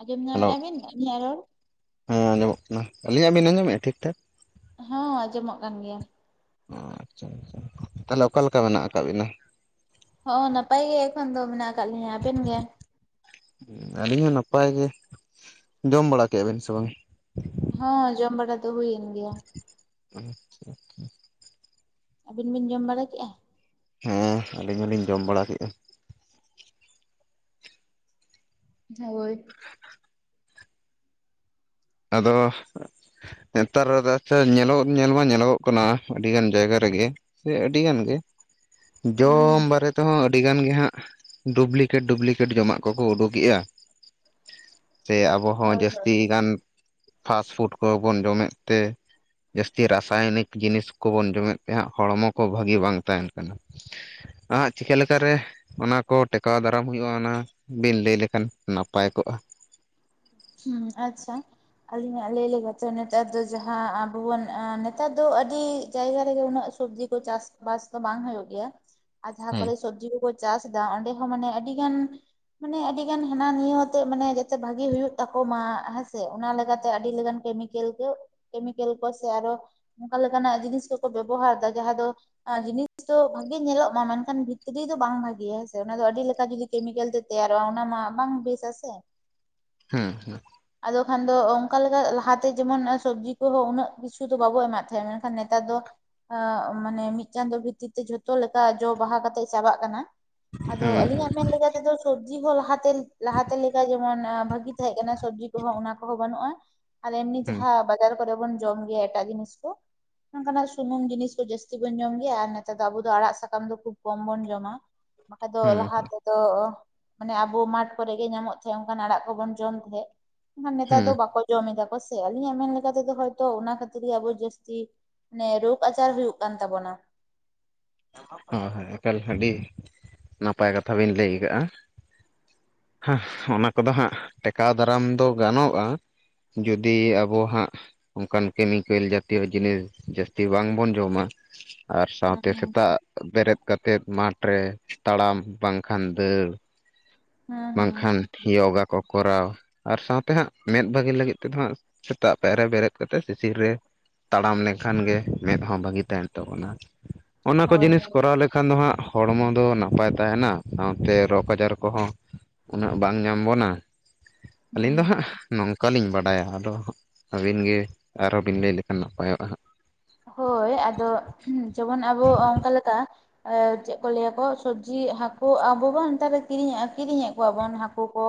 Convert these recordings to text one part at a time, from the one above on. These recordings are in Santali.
ᱟᱸᱡᱚᱢ ᱦᱮᱞᱳ ᱧᱟᱢᱮᱫ-ᱟ ᱵᱤᱱ ᱟᱹᱞᱤᱧᱟᱜ ᱨᱚᱲ ᱦᱮᱸ ᱟᱸᱡᱚᱢᱚᱜ ᱠᱟᱱᱟ ᱟᱹᱞᱤᱧᱟᱜ ᱵᱤᱱ ᱟᱸᱡᱚᱢᱮᱫ-ᱟ ᱴᱷᱤᱠ ᱴᱷᱟᱠ ᱦᱚᱸ ᱟᱸᱡᱚᱢᱚᱜ ᱠᱟᱱ ᱜᱮᱭᱟ ᱾ ᱚ ᱟᱪᱷᱟ ᱟᱪᱷᱟ ᱛᱟᱦᱚᱞᱮ ᱚᱠᱟᱞᱮᱠᱟ ᱢᱮᱱᱟᱜ ᱟᱠᱟᱫ ᱵᱤᱱᱟ ᱦᱚᱸ ᱱᱟᱯᱟᱭ ᱜᱮ ᱮᱠᱷᱚᱱ ᱫᱚ ᱢᱮᱱᱟᱜ ᱟᱠᱟᱫ ᱠᱟᱜ ᱞᱤᱧᱟᱹ ᱟᱵᱮᱱ ᱜᱮ ᱟᱹᱞᱤᱧ ᱦᱚᱸ ᱱᱟᱯᱟᱭ ᱜᱮ ᱡᱚᱢ ᱵᱟᱲᱟ ᱠᱮ ᱼᱟ ᱵᱮᱤᱱ ᱥᱮ ᱵᱟᱝ? ᱦᱚᱸ ᱡᱚᱢ ᱵᱟᱲᱟ ᱫᱚ ᱦᱩᱭᱮᱱ ᱜᱮᱭᱟ ᱟᱪᱷᱟ ᱟᱪᱷᱟ ᱟᱹᱵᱤᱱ ᱵᱤᱱ ᱡᱚᱢ ᱵᱟᱲᱟ ᱠᱮᱫ-ᱟ ᱦᱮᱸ ᱟᱹᱞᱤᱧ ᱦᱚᱞᱤᱧ ᱡᱚᱢ ᱵᱟᱲᱟ ᱠᱮᱫᱼᱟ ᱦᱳᱭ [unintelligible] ᱟᱫᱚ ᱱᱮᱛᱟᱨ ᱟᱪᱷᱟ ᱧᱮᱞᱚᱜ ᱧᱮᱞ ᱢᱟ ᱧᱮᱞᱚᱜᱚᱜ ᱠᱟᱱᱟ ᱟᱹᱰᱤ ᱜᱟᱱ ᱡᱟᱭᱜᱟ ᱨᱮᱜᱮ ᱥᱮ ᱟᱹᱰᱤ ᱜᱟᱱ ᱜᱮ ᱦᱩᱸ ᱡᱚᱢ ᱦᱩᱸ ᱵᱟᱨᱮᱛ ᱛᱮᱦ ᱟᱹᱰᱤ ᱜᱟᱱ ᱜᱮ ᱦᱟᱸᱜ ᱰᱩᱯᱞᱤᱠᱮᱴ ᱰᱩᱯᱞᱤᱠᱮᱴ ᱡᱚᱢᱟᱜ ᱠᱚᱠᱚ ᱩᱰᱩᱠ ᱮᱜ-ᱟ ᱥᱮ ᱟᱵᱚ ᱦᱚᱸ ᱦᱳᱭ ᱦᱳᱭ ᱡᱟᱹᱥᱛᱤ ᱜᱟᱱ ᱯᱷᱟᱥᱴᱯᱷᱩᱰ ᱠᱚᱵᱚᱱ ᱡᱚᱢ ᱮᱫ ᱛᱮ ᱡᱟᱹᱥᱛᱤ ᱨᱟᱥᱟᱭᱚᱱᱤᱠ ᱡᱤᱱᱤᱥ ᱠᱚᱵᱚᱱ ᱡᱚᱢᱮᱫ ᱛᱟᱦᱮᱸᱫ ᱦᱚᱲᱢᱚ ᱠᱚ ᱵᱷᱟᱹᱜᱤ ᱵᱟᱝ ᱛᱟᱦᱮᱱ ᱠᱟᱱᱟ ᱾ ᱟᱜ ᱪᱤᱠᱟᱹ ᱞᱮᱠᱟ ᱨᱮ ᱚᱱᱟᱠᱚ ᱴᱮᱠᱟᱣ ᱫᱟᱨᱟᱢ ᱦᱩᱭᱩᱜ-ᱟ ᱚᱱᱟ ᱵᱤᱱ ᱞᱟᱹᱭ ᱞᱮᱠᱷᱟᱱ ᱱᱟᱯᱟᱭ ᱠᱚᱜ-ᱟ ᱦᱩᱸ ᱟᱪᱷᱟ ᱟᱹᱞᱤᱧᱟᱜ ᱞᱟᱹᱭ ᱞᱮᱠᱟᱛᱚ ᱱᱮᱛᱟᱨ ᱫᱚ ᱡᱟᱦᱟᱸ ᱟᱵᱚ ᱵᱚᱱ ᱱᱮᱛᱟᱨ ᱫᱚ ᱟᱹᱰᱤ ᱡᱟᱭᱜᱟ ᱨᱮᱜᱮ ᱩᱱᱟᱹᱜ ᱥᱚᱵᱡᱤ ᱠᱚ ᱪᱟᱥ ᱵᱟᱥ ᱫᱚ ᱵᱟᱝ ᱦᱩᱭᱩᱜ ᱜᱮᱭᱟ ᱟᱨ ᱡᱟᱦᱟᱸ ᱦᱮᱸ ᱠᱚᱨᱮ ᱥᱚᱵᱡᱤ ᱠᱚᱠᱚ ᱪᱟᱥ ᱫᱟ ᱚᱸᱰᱮ ᱦᱚᱸ ᱢᱟᱱᱮ ᱟᱹᱰᱤ ᱜᱟᱱ ᱢᱟᱱᱮ ᱟᱹᱰᱤ ᱜᱟᱱ ᱦᱟᱱᱟ ᱱᱤᱭᱟᱹ ᱟᱛᱮ ᱢᱟᱱᱮ ᱡᱮᱛᱮ ᱵᱷᱟᱹᱜᱤ ᱦᱩᱭᱩᱜ ᱛᱟᱠᱚ ᱢᱟᱜ ᱦᱮᱸᱥᱮ ᱚᱱᱟ ᱞᱮᱠᱟᱛᱮ ᱟᱹᱰᱤ ᱞᱮᱠᱟᱱ ᱠᱮᱢᱤᱠᱮᱞ ᱠᱚ ᱠᱮᱢᱤᱠᱮᱞ ᱠᱚ ᱥᱮ ᱟᱨᱚ ᱚᱱᱠᱟ ᱞᱮᱠᱟᱱᱟᱜ ᱡᱤᱱᱤᱥ ᱜᱮᱠᱚ ᱵᱮᱵᱚᱦᱟᱨᱫᱟ ᱡᱟᱦᱟᱸ ᱫᱚ ᱡᱤᱱᱤᱥ ᱫᱚ ᱵᱷᱟᱹᱜᱤ ᱧᱮᱞᱚᱜ ᱢᱟ ᱢᱮᱱᱠᱷᱟᱱ ᱵᱷᱤᱛᱨᱤ ᱫᱚ ᱵᱟᱝ ᱵᱷᱟᱹᱜᱮᱭᱟ ᱦᱮᱸᱥᱮ ᱚᱱᱟ ᱫᱚ ᱟᱹᱰᱤ ᱞᱮᱠᱟ [inaudible] ᱠᱮᱢᱤᱠᱮᱞ ᱛᱮ ᱛᱮᱭᱟᱨᱚᱜᱼᱟ ᱚᱱᱟ ᱢᱟ ᱵᱟᱝ ᱵᱮᱥ ᱟᱥᱮ᱾ ᱦᱩᱸ ᱦᱩᱸ ᱟᱫᱚ ᱠᱷᱟᱱ ᱫᱚ ᱚᱱᱠᱟ ᱞᱮᱠᱟ ᱞᱟᱦᱟᱛᱮ ᱡᱮᱢᱚᱱ ᱥᱚᱵᱡᱤ ᱠᱚᱦᱚᱸ ᱩᱱᱟᱹᱜ ᱠᱤᱪᱷᱩ ᱫᱚ ᱵᱟᱵᱚ ᱮᱢᱟᱜ ᱛᱟᱦᱮᱸᱫ ᱢᱮᱱᱠᱷᱟᱱ ᱱᱮᱛᱟᱨ ᱫᱚ ᱢᱟᱱᱮ ᱢᱤᱫ ᱪᱟᱸᱫᱳ ᱵᱷᱤᱛᱤᱨ ᱛᱮ ᱡᱷᱚᱛᱚ ᱞᱮᱠᱟ ᱡᱚ ᱵᱟᱦᱟ ᱠᱟᱛᱮᱜ ᱪᱟᱵᱟᱜ ᱠᱟᱱᱟ᱾ ᱟᱫᱚ ᱦᱮᱸ ᱟᱹᱞᱤᱧᱟᱜ ᱢᱮᱱ ᱞᱮᱠᱟᱛᱮᱫᱚ ᱥᱚᱵᱡᱤ ᱦᱚᱸ ᱞᱟᱦᱟᱛᱮ ᱞᱟᱦᱟᱛᱮ ᱞᱮᱠᱟ ᱡᱮᱢᱚᱱ ᱵᱷᱟᱹᱜᱤ ᱛᱟᱦᱮᱸ ᱠᱟᱱᱟ ᱥᱚᱵᱡᱤ ᱠᱚᱦᱚᱸ ᱚᱱᱟ ᱠᱚᱦᱚᱸ ᱵᱟᱹᱱᱩᱜᱼᱟ ᱟᱞᱮ ᱱᱤᱛ ᱦᱮᱸ ᱦᱟᱸᱜ ᱵᱟᱡᱟᱨ ᱠᱚᱨᱮ ᱵᱚᱱ ᱡᱚᱢ ᱜᱮᱭᱟ ᱮᱴᱟᱹᱜ ᱡᱤᱱᱤᱥ ᱠᱚ᱾ ᱱᱚᱝᱠᱟᱱᱟᱜ ᱥᱩᱱᱩᱢ ᱡᱤᱱᱤᱥ ᱠᱚ ᱡᱟᱹᱥᱛᱤ ᱵᱚᱱ ᱡᱚᱢ ᱜᱮᱭᱟ ᱟᱨ ᱱᱮᱛᱟᱨ ᱫᱚ ᱟᱵᱚ ᱫᱚ ᱟᱸᱲᱟᱜ ᱥᱟᱠᱟᱢ ᱫᱚ ᱠᱷᱩᱵ ᱠᱚᱢ ᱵᱚᱱ ᱡᱚᱢᱟ᱾ ᱵᱟ. ᱠᱷᱟᱡ ᱫᱚ ᱦᱮᱸ ᱞᱟᱦᱟ ᱛᱮᱫᱚ ᱢᱟᱱᱮ ᱟᱵᱚ ᱢᱟᱴᱷ ᱠᱚᱨᱮ ᱜᱮ ᱧᱟᱢᱚᱜ ᱛᱟᱦᱮᱸ ᱚᱱᱠᱟᱱ ᱟᱸᱲᱟᱜ ᱠᱚᱵᱚᱱ ᱡᱚᱢ ᱛᱟᱦᱮᱸᱡ ᱮᱱᱠᱷᱟᱱ ᱱᱮᱛᱟᱨ ᱦᱮᱸ ᱫᱚ ᱵᱟᱠᱚ ᱡᱚᱢ ᱮᱫᱟ ᱠᱚᱥᱮ ᱟᱹᱞᱤᱧᱟᱜ ᱢᱮᱱ ᱞᱮᱠᱟᱛᱮᱫᱚ ᱦᱚᱭᱛᱚ ᱚᱱᱟ ᱠᱷᱟᱹᱛᱤᱨ ᱜᱮ ᱟᱵᱚ ᱡᱟᱹᱥᱛᱤ ᱱᱮ ᱨᱚᱜᱽ ᱟᱪᱟᱨ ᱦᱩᱭᱩᱜ ᱠᱟᱱ ᱛᱟᱵᱚᱱᱟ᱾ ᱦᱚᱭ ᱦᱚᱭ ᱮᱠᱟᱞ ᱟᱹᱰᱤ ᱱᱟᱯᱟᱭ ᱠᱟᱛᱷᱟ ᱵᱤᱱ ᱞᱟᱹᱭ ᱠᱟᱜᱼᱟ᱾ ᱦᱮᱸᱜ ᱚᱱᱟ ᱠᱚᱫᱚ ᱦᱟᱸᱜ ᱴᱮᱠᱟᱣ ᱫᱟᱨᱟᱢ ᱫᱚ ᱜᱟᱱᱚᱜᱼᱟ᱾ ᱡᱩᱫᱤ ᱟᱵᱚ ᱦᱟᱸᱜ ᱚᱱᱠᱟᱱ ᱠᱮᱢᱤᱠᱮᱞ ᱡᱟᱛᱤᱭᱚ ᱡᱤᱱᱤᱥ ᱡᱟᱹᱥᱛᱤ ᱵᱟᱝᱵᱚᱱ ᱡᱚᱢᱟ ᱟᱨ ᱦᱩᱸ ᱥᱟᱶᱛᱮ ᱦᱩᱸ ᱵᱮᱸᱨᱮᱫ ᱠᱟᱛᱮᱫ ᱢᱟᱴᱷ ᱨᱮ ᱛᱟᱲᱟᱢ ᱵᱟᱝᱠᱷᱟᱱ ᱫᱟᱹᱲ ᱦᱩᱸ ᱦᱩᱸ ᱵᱟᱝᱠᱷᱟᱱ ᱦᱩᱸ ᱭᱚᱜᱟ ᱠᱚ ᱠᱚᱨᱟᱣ ᱟᱨ ᱥᱟᱶᱛᱮ ᱦᱟᱸᱜ ᱢᱮᱫ ᱵᱷᱟᱹᱜᱤ ᱞᱟᱹᱜᱤᱫ ᱛᱮᱫᱚ ᱦᱟᱸᱜ ᱥᱮᱸᱛᱟᱜ ᱯᱟᱭᱟᱨ ᱨᱮ ᱵᱮᱨᱮᱫ ᱠᱟᱛᱮ ᱥᱤᱥᱤᱨ ᱨᱮ ᱛᱟᱲᱟᱢ ᱞᱮᱠᱷᱟᱱ ᱜᱮ ᱢᱮᱸᱫ ᱦᱚᱸ ᱵᱷᱟᱹᱜᱤ ᱛᱟᱦᱮᱱ ᱛᱟᱵᱚᱱᱟ ᱚᱱᱟ ᱠᱚ ᱦᱳᱭ ᱡᱤᱱᱤᱥ ᱦᱳᱭ ᱠᱚᱨᱟᱣ ᱞᱮ ᱠᱷᱟᱱ ᱫᱚ ᱦᱟᱸᱜ ᱦᱚᱲᱢᱚ ᱫᱚ ᱱᱟᱯᱟᱭ ᱛᱟᱦᱮᱱᱟ ᱥᱟᱶᱛᱮ ᱨᱳᱜᱽ ᱟᱪᱟᱨ ᱠᱚᱦᱚᱸ ᱩᱱᱟᱹᱜ ᱵᱟᱝ ᱧᱟᱢ ᱵᱚᱱᱟ ᱦᱩᱸ ᱟᱹᱞᱤᱧ ᱫᱚ ᱦᱩᱸ ᱦᱟᱸᱜ ᱱᱚᱝ ᱵᱟᱹᱞᱤᱧ ᱵᱟᱰᱟᱭᱟ ᱟᱫᱚ ᱦᱟᱸᱜ ᱟᱹᱵᱤᱱ ᱜᱮ ᱟᱨᱦᱚᱸ ᱵᱤᱱ ᱞᱟᱹᱭ ᱞᱮᱠᱷᱟᱱ ᱱᱟᱯᱟᱭᱚᱜᱼᱟ ᱦᱟᱸᱜ ᱦᱚᱭ ᱟᱫᱚ ᱡᱮᱢᱚᱱ ᱟᱵᱚ ᱚᱱᱠᱟ ᱞᱮᱠᱟ ᱪᱮᱫ ᱠᱚ ᱞᱟᱹᱭᱟᱠᱚ ᱥᱚᱵᱡᱤ ᱦᱟᱹᱠᱩ ᱟᱵᱚ ᱵᱚᱱ ᱱᱮᱛᱟᱨ ᱠᱤᱨᱤᱧ ᱠᱤᱨᱤᱧᱮᱫ ᱠᱚᱣᱟ ᱵᱚᱱ ᱦᱟᱹᱠᱩ ᱠᱚ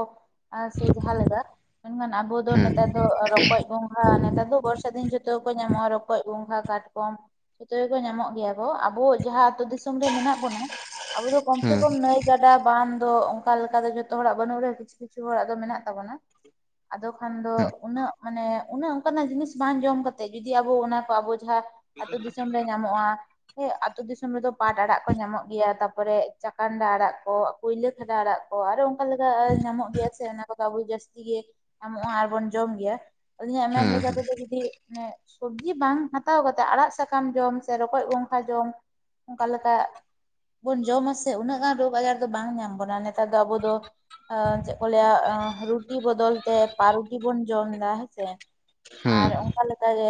ᱟᱨ ᱥᱮ ᱡᱟᱦᱟᱸᱞᱮᱠᱟ ᱢᱮᱱᱠᱷᱟᱱ ᱟᱵᱚ ᱫᱚ ᱦᱮᱸ ᱱᱮᱛᱟᱨ ᱫᱚ ᱨᱚᱠᱚᱡ ᱜᱚᱸᱜᱷᱟ ᱱᱮᱛᱟᱨ ᱫᱚ ᱵᱚᱨᱥᱟ. ᱛ ᱫᱤᱱ ᱡᱚᱛᱚ ᱠᱚ ᱧᱟᱢᱚᱜᱼᱟ ᱨᱚᱠᱚᱡ, ᱜᱚᱸᱜᱷᱟ, ᱠᱟᱴᱠᱚᱢ ᱡᱚᱛᱚ ᱜᱮᱠᱚ ᱧᱟᱢᱚᱜ ᱜᱮᱭᱟ ᱠᱚ ᱟᱵᱚ ᱡᱟᱦᱟᱸ ᱟᱸᱛᱩ ᱫᱤᱥ ᱥᱚᱢ ᱨᱮ ᱢᱮᱱᱟᱜ ᱵᱚᱱᱟ ᱟᱵᱚ ᱫᱚ ᱠᱚᱢ ᱥᱮ ᱦᱮᱸ ᱠᱚᱢ ᱱᱟᱹᱭ ᱜᱟᱰᱟ ᱵᱟᱱ ᱫᱚ ᱚᱱᱠᱟ ᱞᱮᱠᱟ ᱫᱚ ᱡᱚᱛᱚ ᱦᱚᱲᱟᱜ ᱵᱟᱹᱱᱩᱜ ᱨᱮᱦᱚᱸ ᱠᱤᱪᱷᱩ ᱠᱤᱪᱷᱩ ᱦᱚᱲᱟᱜ ᱫᱚ ᱢᱮᱱᱟᱜ ᱛᱟᱵᱚᱱᱟ᱾ ᱟᱫᱚ ᱠᱷᱟᱱ ᱫᱚ ᱩᱱᱟᱹᱜ ᱢᱟ. ᱱᱮ ᱩᱱᱟᱹᱜ ᱚᱱᱠᱟᱱᱟᱜ ᱡᱤᱱᱤᱥ ᱵᱟᱝ ᱡᱚᱢ ᱠᱟᱛᱮᱜ ᱡᱩᱫᱤ ᱟᱵᱚ ᱚᱱᱟ ᱠᱚ ᱟᱵᱚ ᱡᱷᱟ ᱟᱹᱛᱩ ᱫᱤᱥᱚᱢ ᱨᱮ ᱧᱟᱢᱚᱜᱼᱟ ᱦᱮᱸ ᱟᱸᱛᱚ ᱫᱤᱥᱚᱢ ᱨᱮᱫᱚ ᱯᱟᱴ ᱟᱲᱟᱜ ᱠᱚ ᱧᱟᱢᱚᱜ ᱜᱮᱭᱟ ᱛᱟᱯᱚᱨᱮ ᱪᱟᱠᱟᱱᱰᱟ ᱟᱲᱟᱜ ᱠᱚ ᱠᱩᱭᱞᱟᱹ ᱠᱷᱟ. ᱰᱟ ᱟᱲᱟᱜ ᱠᱚ ᱟᱨᱚ ᱚᱱᱠᱟ ᱞᱮᱠᱟ ᱧᱟᱢᱚᱜ ᱜᱮᱭᱟ ᱥᱮ ᱚᱱᱟ ᱠᱚᱫᱚ ᱟᱵᱚ ᱡᱟᱹᱥᱛᱤ ᱜᱮ ᱧᱟᱢᱚᱜᱼᱟ ᱟᱨᱵᱚᱱ ᱡᱚᱢ ᱜᱮᱭᱟ᱾ ᱟᱹᱞᱤᱧᱟᱜ ᱦᱮᱸ ᱢᱮᱱ ᱦᱮᱸ ᱞᱮᱠᱟᱛᱮᱫᱚ ᱡᱩᱫᱤ ᱢᱟᱱᱮ ᱥᱚᱵᱡᱤ ᱵᱟᱝ ᱦᱟ. ᱛ ᱛᱟᱣ ᱠᱟᱛᱮ ᱟᱲᱟᱜ ᱥᱟᱠᱟᱢ ᱡᱚᱢ ᱥᱮ ᱨᱚᱠᱚᱡ ᱜᱚ‍ᱸᱜᱷᱟ ᱡᱚᱢ ᱚᱱᱠᱟ ᱞᱮᱠᱟ ᱵᱚᱱ ᱡᱚᱢ ᱟᱥᱮ ᱩᱱᱟᱹᱜ ᱜᱟᱱ ᱨᱚᱜᱽ ᱟᱡᱟᱨ ᱫᱚ ᱵᱟᱝ ᱧᱟᱢ ᱵᱚᱱᱟ ᱱᱮᱛᱟᱨ ᱫᱚ ᱟᱵᱚ ᱫᱚ ᱮ ᱪᱮᱫ ᱠᱚ ᱞᱟᱹᱭᱟ ᱨᱩᱴᱤ ᱵᱚᱫᱚᱞ ᱛᱮ ᱯᱟᱨᱩᱴᱤ ᱵᱚᱱ ᱡᱚᱢ ᱮᱫᱟ ᱦᱮᱸᱥᱮ ᱦᱮᱸ ᱟᱨ ᱚᱱᱠᱟ ᱞᱮᱠᱟᱜᱮ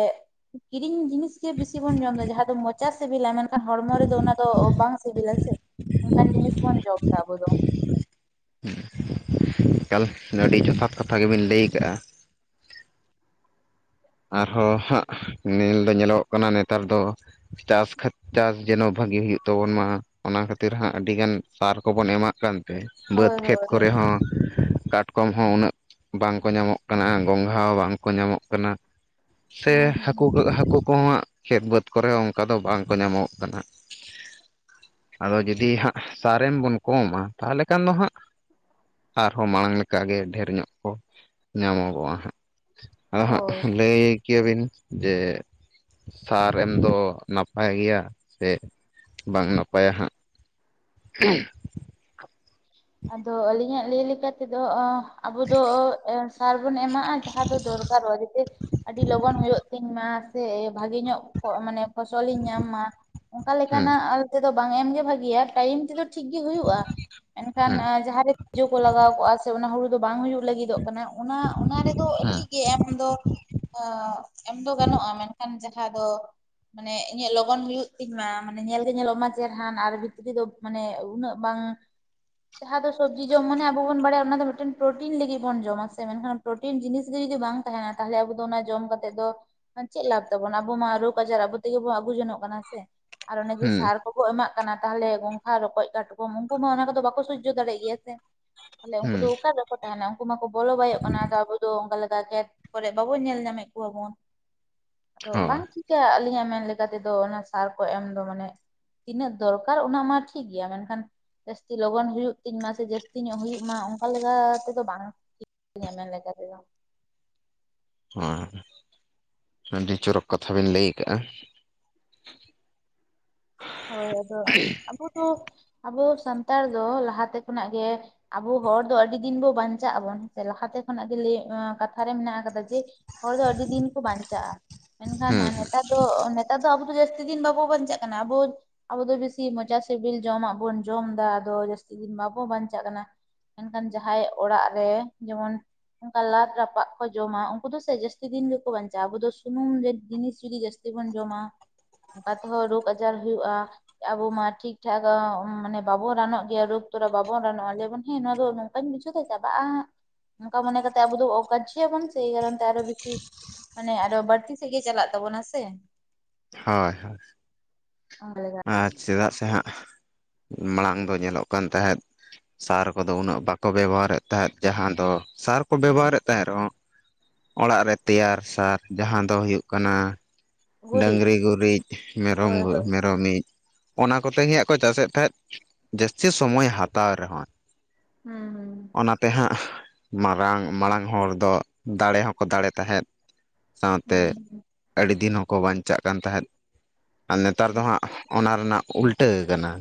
ᱠᱤᱨᱤᱧ ᱡᱤᱱᱤᱥ ᱜᱮ ᱵᱤᱥᱤ ᱵᱚᱱ ᱡᱚᱢ ᱮᱫᱟ ᱡᱟᱦᱟᱸ ᱫᱚ ᱢᱚᱪᱟ ᱥᱮᱵᱮᱞᱟ ᱢᱮᱱ ᱠᱷᱟᱱ ᱦᱚᱲᱢᱚ ᱨᱮᱫᱚ ᱚᱱᱟ ᱫᱚ ᱵᱟᱝ ᱥᱤᱵᱤᱞᱟ ᱥᱮ ᱚᱱᱠᱟᱱ ᱡᱤᱱᱤᱥ ᱵᱚᱱ ᱡᱚᱢ ᱮᱫᱟ ᱟᱵᱚ ᱫᱚ᱾ ᱮᱠᱟᱞ ᱟᱹᱰᱤ ᱡᱚᱛᱷᱟᱛ ᱠᱟᱛᱷᱟ ᱜᱮᱵᱤᱱ ᱞᱟᱹᱭ ᱠᱟᱜᱼᱟ᱾ ᱟᱨᱦᱚᱸ ᱦᱟᱸᱜ ᱱᱮᱞ ᱫᱚ ᱧᱮᱞᱚᱜ ᱚᱜ ᱠᱟᱱᱟ ᱱᱮᱛᱟᱨ ᱫᱚ ᱪᱟᱥ ᱠᱷᱟᱹᱛ ᱪᱟᱥ ᱡᱮᱱᱚ ᱵᱷᱟᱹᱜᱤ ᱦᱩᱭᱩᱜ ᱛᱟᱵᱚᱱ ᱢᱟ ᱚᱱᱟ ᱠᱷᱟᱹᱛᱤᱨ ᱦᱟᱸᱜ ᱟᱹᱰᱤ ᱜᱟᱱ ᱥᱟᱨ ᱠᱚᱵᱚᱱ ᱮᱢᱟᱜ ᱠᱟᱱ ᱵᱟᱹᱫᱽ ᱦᱳᱭ ᱠᱷᱮᱛ ᱦᱳᱭ ᱦᱳᱭ ᱠᱚᱨᱮ ᱦᱚᱸ ᱠᱟᱴᱠᱚᱢ ᱠᱚᱢ ᱦᱚᱸ ᱩᱱᱟᱹᱜ ᱵᱟᱝ ᱠᱚ ᱧᱟᱢᱚᱜ ᱠᱟᱱᱟ ᱜᱚᱸᱜᱷᱟ ᱦᱚᱸ ᱵᱟᱝ ᱠᱚ ᱧᱟᱢᱚᱜ ᱠᱟᱱᱟ ᱥᱮ ᱦᱩᱸ ᱦᱩᱸ ᱦᱟᱹᱠᱩ ᱠᱚ ᱦᱟᱹᱠᱩ ᱠᱚᱦᱚᱸ ᱦᱟᱹᱜ ᱠᱷᱮᱛ ᱵᱟᱹᱫᱽ ᱠᱚᱨᱮ ᱦᱚᱸ ᱚᱱᱠᱟ ᱫᱚ ᱵᱟᱝ ᱠᱚ ᱧᱟᱢᱚᱜᱚᱜ ᱠᱟᱱᱟ ᱟᱫᱚ ᱡᱩᱫᱤ ᱦᱟᱸᱜ ᱥᱟᱨ ᱮᱢ ᱵᱚᱱ ᱠᱚᱢᱟ ᱛᱟᱦᱚᱞᱮ ᱠᱷᱟᱱ ᱫᱚ ᱦᱟᱸᱜ ᱟᱨᱦᱚᱸ ᱢᱟᱲᱟᱝ ᱞᱮᱠᱟ ᱜᱮ ᱰᱷᱮᱨ ᱧᱚᱜ ᱠᱚ ᱧᱟᱢᱚᱜᱚᱜᱼᱟ ᱦᱟᱸᱜ ᱟᱫᱚ ᱦᱟᱸᱜ ᱦᱳᱭ ᱞᱟᱹᱭ ᱠᱮᱭᱟ ᱵᱤᱱ ᱡᱮ ᱥᱟᱨ ᱮᱢ ᱫᱚ ᱱᱟᱯᱟᱭ ᱜᱮᱭᱟ ᱥᱮ ᱵᱟᱝ ᱱᱟᱯᱟᱭᱟ ᱦᱟᱸᱜ [inaudible] ᱟᱫᱚ ᱟᱹᱞᱤᱧᱟᱜ ᱞᱟᱹᱭ ᱞᱮᱠᱟ ᱛᱮᱫᱚ‌ ᱚᱸᱦ ᱟᱵᱚ ᱫᱚ ᱮᱸ ᱥᱟᱨ ᱵᱚᱱ ᱮᱢᱟᱜᱼᱟ ᱡᱟᱦᱟᱸ ᱫᱚ ᱫᱚᱨᱠᱟᱨᱚᱜᱼᱟ ᱡᱟᱛᱮ ᱟᱹᱰᱤ ᱞᱚᱜᱚᱱ ᱦᱩᱭᱩᱜ ᱛᱤᱧᱢᱟ᱾ ᱥᱮ ᱵᱷᱟᱸᱜᱮ ᱧᱚᱜ ᱢᱟᱱᱮ ᱯᱷᱚᱥᱚᱞᱤᱧ ᱧᱟᱢ ᱢᱟ ᱚᱝᱠᱟ ᱦᱮᱸ ᱞᱮᱠᱟᱱᱟᱜ ᱛᱮᱫᱚ ᱵᱟᱝ ᱮᱢ ᱜᱮ ᱵᱷᱟᱜᱤᱭᱟ ᱴᱟᱭᱤᱢ ᱛᱮᱫᱚ ᱴᱷᱤᱠ ᱜᱮ ᱦᱩᱭᱩᱜᱼᱟ [inaudible] ᱮᱱᱠᱷᱟᱱ ᱡᱟᱦᱟᱸ ᱨᱮ ᱛᱮᱡᱳ ᱠᱚ ᱞᱟᱜᱟᱣ ᱠᱚᱜᱼᱟ ᱥᱮ ᱚᱱᱟ ᱦᱩᱲᱩ ᱫᱚ ᱵᱟᱝ ᱦᱩᱭᱩᱜ ᱞᱟᱹᱜᱤᱫᱚᱜ ᱠᱟᱱᱟ ᱚᱱᱟ ᱚᱱᱟ ᱨᱮᱫᱚ ᱦᱮᱸ ᱴᱷᱤᱠ ᱜᱮ ᱮᱢ ᱫᱚ ᱦᱚ ᱮᱢ ᱫᱚ ᱜᱟᱱᱚᱜᱼᱟ ᱢᱮᱱᱠᱷᱟᱱ ᱡᱟᱦᱟᱸ ᱫᱚ ᱢᱟᱱᱮ ᱤᱧᱟᱹᱜ ᱞᱚᱜᱚᱱ ᱦᱩᱭᱩᱜ ᱛᱤᱧ ᱢᱟ ᱢᱟᱱᱮ ᱧᱮᱞ ᱜᱮ ᱧᱮᱞᱚᱜ ᱢᱟ ᱪᱮᱦᱨᱟᱱ ᱟᱨ ᱵᱷᱤᱛᱨᱤ ᱫᱚ ᱢᱟᱱᱮ ᱩᱱᱟᱹᱜ ᱵᱟᱝ ᱡᱟᱦᱟᱸ ᱫᱚ ᱥᱚᱵᱽᱡᱤ ᱡᱚᱢ ᱢᱟᱱᱮ ᱟᱵᱚ ᱵᱚᱱ ᱵᱟᱲᱟᱭᱟ ᱚᱱᱟ ᱫᱚ ᱢᱤᱫ ᱴᱮᱱ ᱯᱨᱳᱴᱤᱱ ᱞᱟᱹᱜᱤᱫ ᱵᱚᱱ ᱡᱚᱢᱟ ᱥᱮ ᱢᱮᱱᱠᱷᱟᱱ ᱯᱨᱳᱴᱤᱱ ᱡᱤᱱᱤᱥ ᱜᱮ ᱡᱩᱫᱤ ᱵᱟᱝ ᱛᱟᱦᱮᱱᱟ ᱛᱟᱦᱚᱞᱮ ᱟᱵᱚ ᱫᱚ ᱚᱱᱟ ᱡᱚᱢ ᱠᱟᱛᱮᱜ ᱫᱚ ᱪᱮᱫ ᱞᱟᱵᱽ ᱛᱟᱵᱚᱱᱟ ᱟᱵᱚ ᱢᱟ ᱨᱚᱜᱽ ᱟᱡᱟᱨ ᱟᱵᱚ ᱛᱮᱜᱮ ᱵᱚᱱ ᱟᱹᱜᱩ ᱡᱚᱱᱚᱜ ᱠᱟᱱᱟ ᱥᱮ ᱟᱨ ᱚᱱᱮ ᱡᱮ ᱦᱮᱸ ᱥᱟᱨ ᱠᱚᱠᱚ ᱮᱢᱟᱜ ᱠᱟᱱᱟ ᱛᱟᱦᱞᱮ ᱜᱚᱸᱜᱷᱟ ᱨᱚᱠᱚᱡ ᱠᱟᱴᱠᱚᱢ ᱩᱱᱠᱩ ᱢᱟ ᱚᱱᱟ ᱠᱚᱫᱚ ᱵᱟᱠᱚ ᱥᱳᱡᱡᱳ ᱫᱟᱲᱮᱭᱟᱜ ᱜᱮᱭᱟ ᱥᱮ ᱛᱟᱦᱞᱮ ᱩᱱᱠᱩ ᱦᱮᱸ ᱫᱚ ᱚᱠᱟ ᱨᱮᱠᱚ ᱛᱟᱦᱮᱱᱟ ᱩᱱᱠᱩ ᱢᱟᱠᱚ ᱵᱚᱞᱚ ᱵᱟᱭᱚᱜ ᱠᱟᱱᱟ ᱟᱫᱚ ᱟᱵᱚ ᱱᱤᱛᱚᱜ ᱫᱚ ᱚᱱᱠᱟ ᱞᱮᱠᱟ ᱠᱷᱮᱛ ᱠᱚᱨᱮ ᱵᱟᱵᱚᱱ ᱧᱮᱞ ᱧᱟᱢᱮᱫ ᱠᱚᱣᱟ ᱵᱚᱱ ᱟᱫᱚ ᱵᱟᱝ ᱦᱳᱭ ᱴᱷᱤᱠ ᱴᱷᱤᱠ ᱜᱮᱭᱟ ᱟᱞᱤᱧᱟᱜ ᱢᱮᱱ ᱞᱮᱠᱟ ᱛᱮᱫᱚ ᱚᱱᱟ ᱥᱟᱨ ᱠᱚ ᱮᱢ ᱫᱚ ᱢᱟᱱᱮ ᱛᱤᱱᱟᱹᱜ ᱫᱚᱨᱠᱟᱨ ᱚᱱᱟ ᱢᱟ ᱴᱷᱤᱠ ᱜᱮᱭᱟ ᱢᱮᱱᱠᱷᱟᱱ ᱡᱟᱹᱥᱛᱤ ᱞᱚᱜᱚᱱ ᱦᱩᱭᱩᱜ ᱛᱤᱧ ᱢᱟ ᱥᱮ ᱡᱟᱹᱥᱛᱤ ᱧᱚᱜ ᱦᱩᱭᱩᱜ ᱢᱟ ᱚᱱᱠᱟ ᱞᱮᱠᱟ ᱛᱮᱫᱚ ᱵᱟᱝ ᱤᱧᱟᱜ ᱢᱮᱱ ᱞᱮᱠᱟ ᱛᱮᱫᱚ ᱦᱚᱸ ᱟᱹᱰᱤ ᱪᱚᱨᱚᱠ ᱠᱟᱛᱷᱟ ᱵᱤᱱ ᱞᱟᱹᱭ ᱟᱠᱟᱜᱼᱟ [inaudible] ᱦᱳᱭ ᱟᱫᱚ ᱟᱵᱚ ᱫᱚ ᱟᱵᱚ ᱥᱟᱱᱛᱟᱲ ᱫᱚ ᱞᱟᱦᱟ ᱛᱮ ᱠᱷᱚᱱᱟᱜ ᱜᱮ ᱟᱵᱚ ᱦᱚᱲ ᱫᱚ ᱟᱹᱰᱤ ᱫᱤᱱ ᱵᱚ ᱵᱟᱧᱪᱟᱜ ᱟᱵᱚᱱ ᱥᱮ ᱞᱟᱦᱟ ᱛᱮ ᱠᱷᱚᱱᱟᱜ ᱡᱮ. ᱞᱟᱹᱭ ᱚᱸ ᱠᱟᱛᱷᱟ ᱨᱮ ᱢᱮᱱᱟᱜ ᱟᱠᱟᱫᱟ ᱡᱮ. ᱦᱚᱲ ᱫᱚ ᱟᱹᱰᱤ ᱫᱤᱱ ᱠᱚ ᱵᱟᱧᱪᱟᱜᱼᱟ ᱢᱮᱱᱠᱷᱟᱱ ᱢᱟ ᱦᱮᱸ ᱱᱮᱛᱟᱨ ᱟᱫᱚ ᱱᱮᱛᱟᱨ ᱫᱚ ᱟᱵᱚ ᱫᱚ ᱡᱟᱹᱥᱛᱤ ᱫᱤᱱ ᱵᱟᱵᱚ ᱵᱟᱧᱪᱟᱜ ᱠᱟᱱᱟ ᱟᱵᱚ ᱟᱵᱚ ᱫᱚ ᱵᱮᱥᱤ ᱢᱚᱪᱟ ᱥᱤᱵᱤᱞ ᱡᱚᱢᱟᱜ ᱵᱚᱱ ᱡᱚᱢ ᱫᱟ ᱟᱫᱚ ᱡᱟ. ᱥᱛᱤ ᱫᱤᱱ ᱵᱟᱵᱚ ᱵᱟᱧᱪᱟᱜ ᱠᱟᱱᱟ ᱢᱮᱱᱠᱷᱟᱱ ᱡᱟᱦᱟᱸᱭ ᱚᱲᱟᱜ ᱨᱮ ᱡᱮᱢᱚᱱ ᱚᱱᱠᱟ ᱞᱟᱫᱽ ᱨᱟᱯᱟᱜ ᱠᱚ ᱡᱚᱢᱟ ᱩᱱᱠᱩ ᱫᱚ ᱥᱮ ᱡᱟᱹᱥᱛᱤ ᱫᱤᱱ ᱜᱮᱠᱚ ᱵᱟᱧᱪᱟᱜᱼᱟ ᱟᱵᱚ ᱫᱚ ᱥᱩᱱᱩᱢ ᱨᱮᱱ ᱡᱤᱱᱤᱥ ᱡᱩᱫᱤ ᱡᱟᱹᱥ ᱪᱮᱫ ᱵᱚᱱ ᱡᱚᱢᱟ ᱚᱱᱠᱟ ᱛᱮᱦᱚᱸ ᱨᱚᱜᱽ ᱟᱡᱟᱨ ᱦᱩᱭᱩᱜᱼᱟ᱾ ᱟᱵᱚ ᱢᱟ ᱴᱷᱤᱠ ᱴᱷᱟᱠ ᱢᱟᱱᱮ ᱵᱟᱵᱚ ᱨᱟᱱᱚᱜ ᱜᱮᱭᱟ ᱨᱳᱜᱽ ᱛᱚᱨᱟ ᱵᱟᱵᱚᱱ ᱨᱟᱱᱚᱜᱼᱟ ᱞᱟᱹᱭ ᱟᱵᱚ ᱦᱮᱸ ᱱᱚᱣᱟ ᱫᱚ ᱵᱟᱹᱧ ᱵᱩᱡᱷᱟᱹᱣ ᱫᱟ ᱪᱟᱵᱟᱜᱼᱟ ᱦᱟᱸᱜ ᱚᱱᱠᱟ ᱢᱚᱱᱮ ᱠᱟᱛᱮ ᱟᱵᱚ ᱫᱚ ᱚᱠᱟ ᱠᱟᱨᱡᱚ ᱟᱵᱚᱱ ᱥᱮ ᱮᱭ ᱠᱟᱨᱚᱱ ᱛᱮ ᱟᱨᱚ ᱵᱮᱥᱤ ᱢᱟᱱᱮ ᱟᱨᱚ ᱵᱟᱹᱲᱛᱤ ᱥᱮᱫ ᱜᱮ ᱪᱟᱞᱟᱜ ᱛᱟᱵᱚᱱᱟ ᱥᱮ ᱦᱚᱭ ᱦᱚᱭ ᱚᱞ ᱞᱮᱜᱟᱜ-ᱟ ᱪᱮᱫᱟᱜ ᱥᱮ ᱦᱟᱸᱜ ᱢᱟᱲᱟᱝ ᱫᱚ ᱧᱮᱞᱚᱜ ᱠᱟᱱ ᱛᱟᱦᱮᱸᱫ ᱥᱟᱨ ᱠᱚᱫᱚ ᱩᱱᱟᱹᱜ ᱵᱟᱠᱚ ᱵᱮᱵᱚᱦᱟᱨᱮᱫ ᱛᱟᱦᱮᱸᱫ ᱡᱟᱦᱟᱸ ᱫᱚ ᱥᱟᱨ ᱠᱚ ᱵᱮᱵᱚᱦᱟᱨᱮᱫ ᱛᱟᱦᱮᱸᱫ ᱨᱮᱦᱚᱸ ᱚᱲᱟᱜ ᱨᱮ ᱛᱮᱭᱟᱨ ᱥᱟᱨ ᱡᱟᱦᱟᱸ ᱫᱚ ᱦᱩᱭᱩᱜ ᱠᱟᱱᱟ ᱜᱩᱨᱤᱡ ᱰᱟᱹᱝᱨᱤ ᱜᱩᱨᱤᱡ ᱢᱮᱨᱚᱢ ᱦᱳᱭ ᱦᱳᱭ ᱢᱮᱨᱚᱢ ᱤᱡᱽ ᱚᱱᱟ ᱠᱚᱛᱮ ᱜᱮ ᱦᱟᱸᱜ ᱠᱚ ᱪᱟᱥ ᱮᱫ ᱛᱟᱦᱮᱸᱫ ᱡᱟᱹᱥᱛᱤ ᱥᱚᱢᱚᱭ ᱦᱟᱛᱟᱣ ᱨᱮᱦᱚᱸᱭ ᱦᱩᱸ ᱦᱩᱸ ᱚᱱᱟ ᱛᱮ ᱦᱟᱸᱜ ᱢᱟᱨᱟᱝ ᱢᱟᱲᱟᱝ ᱦᱚᱲ ᱫᱚ ᱫᱟᱲᱮ ᱦᱚᱸᱠᱚ ᱫᱟᱲᱮ ᱛᱟᱦᱮᱸᱫ ᱥᱟᱶ ᱛᱮ ᱦᱩᱸ ᱦᱩᱸ ᱟᱹᱰᱤ ᱫᱤᱱ ᱦᱚᱸᱠᱚ ᱵᱟᱧᱪᱟᱜ ᱠᱟᱱ ᱛᱟᱦᱮᱸᱫ ᱟᱨ ᱱᱮᱛᱟᱨ ᱦᱩᱸ ᱫᱚ ᱦᱟᱸᱜ ᱚᱱᱟ ᱨᱮᱱᱟᱜ ᱩᱞᱴᱟᱹ ᱟᱠᱟᱱᱟ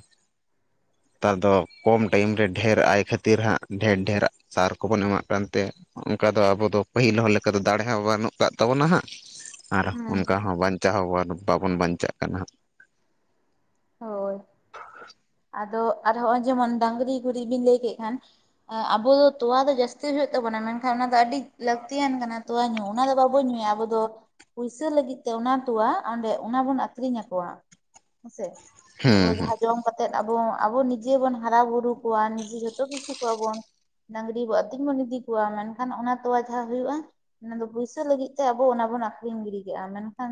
ᱛᱟᱨ ᱫᱚ ᱠᱚᱢ ᱴᱟᱭᱤᱢ ᱨᱮ ᱰᱷᱹᱮᱨ ᱟᱭ ᱠᱷᱟᱹᱛᱤᱨ ᱦᱟᱸᱜ ᱰᱷᱮᱨ ᱰᱷᱮᱨ ᱥᱟᱨ ᱠᱚᱵᱚᱱ ᱮᱢᱟᱜ ᱠᱟᱱᱛᱮ ᱚᱝᱠᱟ ᱫᱚ ᱟᱵᱚ ᱫᱚ ᱯᱟᱹᱦᱤᱞ ᱦᱚᱲ ᱞᱮᱠᱟ ᱫᱚ ᱫᱟᱲᱮ ᱦᱚᱸ ᱵᱟᱹᱱᱩᱜ ᱠᱟᱜ ᱛᱟᱵᱚᱱᱟ ᱦᱟᱸᱜ ᱟᱨ ᱦᱩᱸ ᱦᱚᱸ ᱵᱟᱧᱪᱟᱣ ᱦᱚᱸᱵᱟᱱᱩᱜ ᱵᱟᱵᱚᱱ ᱵᱟᱧᱪᱟᱜ ᱠᱟᱱᱟ ᱦᱟᱸᱜ᱾ ᱦᱳᱭ ᱟᱫᱚ ᱟᱨ ᱦᱚᱸᱜᱼᱚᱭ ᱡᱮᱢᱚᱱ ᱰᱟᱝᱨᱤ ᱜᱩᱨᱤᱜ ᱵᱤᱱ ᱞᱟᱹᱭ ᱠᱮᱜ ᱠᱷᱟᱱ ᱮᱸ ᱟᱵᱚ ᱫᱚ ᱛᱚᱣᱟ ᱫᱚ ᱡᱟᱹᱥᱛᱤ ᱦᱩᱭᱩᱜ ᱛᱟᱵᱚᱱᱟ ᱢᱮᱱᱠᱷᱟᱱ ᱚᱱᱟ ᱫᱚ ᱟᱹᱰᱤ ᱞᱟᱹᱠᱛᱤᱭᱟᱱ ᱠᱟᱱᱟ᱾ ᱛᱚᱣᱟ ᱧᱩ ᱚᱱᱟ ᱫᱚ ᱵᱟᱵᱚ ᱧᱩᱭᱟ ᱟᱵᱚ ᱫᱚ ᱯᱩᱭᱥᱟᱹ ᱞᱟᱹᱜᱤᱫ ᱛᱮ ᱚᱱᱟ ᱛᱚᱣᱟ ᱚᱸᱰᱮ ᱚᱱᱟ ᱵᱚᱱ ᱟᱠᱷᱨᱤᱧ ᱟᱠᱚᱣᱟ ᱦᱮᱸᱥᱮ᱾ ᱟᱵᱚ ᱦᱮᱸ ᱦᱮᱸ ᱡᱟᱦᱟᱸ ᱡᱚᱢ ᱠᱟᱛᱮᱫ ᱟᱵᱚ ᱟᱵᱚ ᱱᱤᱡᱮ ᱵᱚᱱ ᱦᱟᱨᱟ ᱵᱩᱨᱩ ᱠᱚᱣᱟ ᱱᱤᱡᱮ ᱡᱷᱚᱛᱚ ᱠᱤᱪᱷᱩ ᱠᱚᱣᱟ ᱵᱚᱱ᱾ ᱰᱟᱝᱨᱤ ᱵᱚ ᱟᱹᱛᱤᱧ ᱵᱚᱱ ᱤᱫᱤ ᱠᱚᱣᱟ ᱢᱮᱱᱠᱷᱟᱱ ᱚᱱᱟ ᱛᱚᱣᱟ ᱡᱟᱦᱟᱸ ᱦᱩᱭᱩᱜᱼᱟ᱾ ᱚᱱᱟᱫᱚ ᱯᱩᱭᱥᱟᱹ ᱞᱟᱹᱜᱤᱫ ᱛᱮ ᱟᱵᱚ ᱚᱱᱟ ᱵᱚᱱ ᱟᱠᱷᱨᱤᱧ ᱜᱤᱰᱤ ᱠᱮᱜᱼᱟ᱾ ᱢᱮᱱᱠᱷᱟᱱ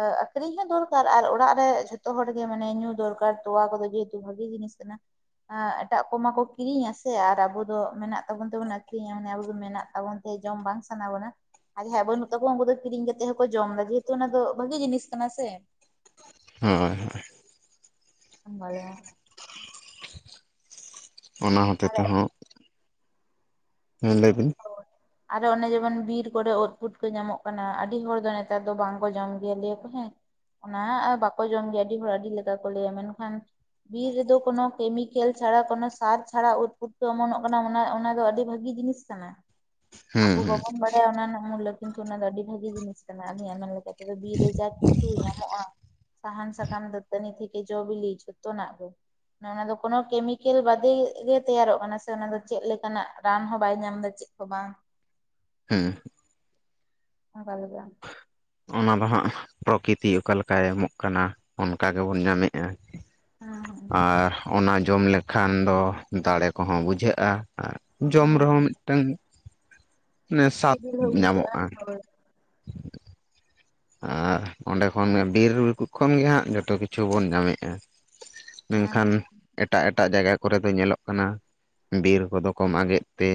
ᱮ ᱟᱠᱷᱨᱤᱧ ᱦᱚᱸ ᱫᱚᱨᱠᱟᱨ ᱟᱨ ᱚᱲᱟᱜ ᱨᱮ ᱡᱷᱚᱛᱚ ᱦᱚᱲ ᱜᱮ ᱢᱟᱱᱮ ᱧᱩ ᱫᱚᱨᱠᱟᱨ ᱛᱚᱣᱟ ᱠᱚᱫᱚ᱾ ᱡᱮᱦᱮᱛᱩ ᱵᱷᱟᱜᱮ ᱡᱤᱱᱤᱥ ᱠᱟᱱᱟ᱾ ᱮᱸ ᱮᱴᱟᱜ ᱠᱚᱢᱟ ᱠᱚ ᱠᱤᱨᱤᱧᱟ ᱥᱮ ᱟᱨ ᱟᱵᱩ ᱫᱚ ᱢᱮᱱᱟᱜ ᱛᱟᱵᱚᱱ ᱛᱮᱵᱩᱱ ᱟᱠᱷᱨᱤᱧᱟ ᱢᱟᱱᱮ ᱟᱵᱚ ᱫᱚ ᱢᱮᱱᱟᱜ ᱛᱟᱵᱚᱱ ᱥᱮ ᱡᱚᱢ ᱵᱟᱝ ᱥᱟᱱᱟ ᱵᱚᱱᱟ᱾ ᱟᱨ ᱡᱟᱦᱟᱸᱭᱟᱜ ᱵᱟᱹᱱᱩᱜ ᱛᱟᱠᱚᱣᱟ ᱩᱝᱠᱩ ᱫᱚ ᱠᱤᱨᱤᱧ ᱠᱟᱛᱮᱜ ᱦᱚᱸᱠᱚ ᱡᱚᱢᱫᱟ ᱡᱮᱦᱮᱛᱩ ᱚᱱᱟ ᱫᱚ ᱵᱷᱟᱜᱤ ᱡᱤᱱᱤᱥ ᱠᱟᱱᱟ ᱥᱮ᱾ ᱦᱚᱭ ᱦᱚᱭ ᱟᱢᱵᱟᱞᱮ ᱚᱱᱟ ᱦᱚᱛᱮ ᱟᱨ ᱛᱮᱦᱚᱸ ᱦᱮᱸ ᱞᱟᱹᱭ ᱵᱤᱱ ᱟᱨᱚ ᱚᱱᱮ ᱡᱮᱢᱚᱱ ᱵᱤᱨ ᱠᱚᱨᱮ ᱩᱫ ᱯᱩᱴᱠᱟᱹ ᱧᱟᱢᱚᱜ ᱠᱟᱱᱟ ᱟᱹᱰᱤ ᱦᱚᱲ ᱫᱚ ᱱᱮᱛᱟᱨ ᱫᱚ ᱵᱟᱝ ᱠᱚ ᱡᱚᱢ ᱜᱮᱭᱟ ᱞᱮᱭᱟᱠᱚ ᱦᱮᱸ ᱚᱱᱟ ᱵᱟᱠᱚ ᱡᱚᱢ ᱜᱮᱭᱟ ᱟᱹᱰᱤ ᱦᱚᱲ ᱟᱹᱰᱤ ᱞᱮᱠᱟ ᱠᱚ ᱞᱟᱹᱭᱟ ᱢᱮᱱᱠᱷᱟᱱ ᱵᱤᱨ ᱨᱮᱫᱚ ᱠᱚᱱᱚ ᱠᱮᱢᱤᱠᱮᱞ ᱪᱷᱟᱲᱟ ᱠᱚᱱᱚ ᱥᱟᱨ ᱪᱷᱟᱲᱟ ᱩᱫᱯᱩᱴᱠᱟᱹ ᱚᱢᱚᱱᱚᱜ ᱠᱟᱱᱟ ᱚᱱᱟ ᱚᱱᱟ ᱫᱚ ᱟᱹᱰᱤ ᱵᱷᱟᱜᱤ᱾ ᱜᱤ ᱡᱤᱱᱤᱥ ᱠᱟᱱᱟ᱾ ᱦᱮᱸ ᱟᱵᱚ ᱦᱮᱸ ᱵᱟᱵᱚᱱ ᱵᱟᱲᱟᱭᱟ ᱚᱱᱟ ᱨᱮᱱᱟᱜ ᱢᱩᱞᱞᱚ ᱠᱤᱱᱛᱩ ᱚᱱᱟ ᱫᱚ ᱟᱹᱰᱤ ᱵᱷᱟᱜᱤ ᱡᱤᱱᱤᱥ ᱠᱟᱱᱟ ᱟᱞᱤᱧᱟᱜ ᱮᱢᱮᱱ ᱞᱮᱠᱟ ᱞᱮᱠᱟᱛᱮᱫᱚ ᱵᱤᱨ ᱨᱮ ᱡᱟ ᱪᱷᱩ ᱧᱟᱢᱚᱜᱼᱟ ᱥᱟᱦᱟᱱ ᱥᱟᱠᱟᱢ ᱫᱟᱹᱛᱟᱹᱱᱤ ᱛᱷᱮᱠᱮ ᱡᱚ ᱵᱤᱞᱤ ᱡᱷᱚᱛᱚᱱᱟᱜ ᱜᱮ᱾ ᱚᱱᱟ ᱚᱱᱟ ᱫᱚ ᱠᱚᱱᱳᱴᱚ ᱠᱮᱢᱤᱠᱮᱞ ᱵᱟᱫᱮ ᱜᱮ ᱛᱮᱭᱟᱨᱚᱜ ᱠᱟᱱᱟ ᱥᱮ ᱚᱱᱟ ᱫᱚ ᱪᱮᱫᱜ ᱞᱮᱠᱟᱱᱟᱜ ᱨᱟᱱ ᱦᱚᱸ ᱵᱟᱭ ᱧᱟᱢᱫᱟ᱾ ᱪᱮᱫ ᱦᱚᱸ ᱵᱟᱝ᱾ ᱦᱩᱸ [unintelligible] ᱚᱱᱟ ᱫᱚ ᱦᱟᱸᱜ ᱯᱨᱚᱠᱤᱛᱤ ᱚᱠᱟ ᱞᱮᱠᱟᱭ ᱮᱢᱚᱜ ᱠᱟᱱᱟ ᱚᱱᱠᱟ ᱜᱮᱵᱚᱱ ᱧᱟᱢᱮᱜᱼᱟ᱾ ᱦᱮᱸ ᱟᱨ ᱚᱱᱟ ᱡᱚᱢ ᱞᱮᱠᱷᱟᱱ ᱫᱚ ᱫᱟᱲᱮ ᱠᱚᱦᱚᱸ ᱵᱩᱡᱷᱟᱹᱜᱼᱟ᱾ ᱟᱨ ᱡᱚᱢ ᱦᱮᱸ ᱨᱮᱦᱚᱸ ᱦᱮᱸ ᱢᱤᱫᱴᱟᱝ ᱢᱟᱱᱮ ᱥᱟᱫᱽ ᱥᱤᱵᱤᱞ ᱦᱚᱸ ᱧᱟᱢᱚᱜᱼᱟ᱾ ᱵᱩᱡᱷᱟᱹᱜᱼᱟ ᱦᱳᱭ ᱟᱨ ᱚᱸᱰᱮ ᱠᱷᱚᱱ ᱜᱮ ᱵᱤᱨ ᱠᱷᱚᱱ ᱜᱮ ᱦᱟᱸᱜ ᱡᱚᱛᱚ ᱠᱤᱪᱷᱩ ᱵᱚᱱ ᱧᱟᱢᱮᱜᱼᱟ᱾ ᱦᱮᱸ ᱢᱮᱱᱠᱷᱟᱱ ᱦᱮᱸ ᱮᱴ ᱮᱴᱟᱜ ᱮᱴᱟᱜ ᱡᱟᱭᱜᱟ ᱠᱚᱨᱮ ᱫᱚ ᱧᱮᱞᱚᱜ ᱠᱟᱱᱟ ᱵᱤᱨ ᱠᱚᱫᱚ ᱠᱚ ᱢᱟᱜᱮᱫ ᱛᱮ᱾